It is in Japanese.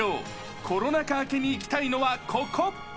コロナ禍明けに行きたいのはここ！